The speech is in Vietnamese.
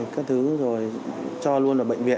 các thứ rồi cho luôn ở bệnh viện